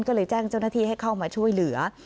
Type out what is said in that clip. ก็เลยแจ้งเจ้าหน้าที่ให้เข้ามาช่วยเหลือ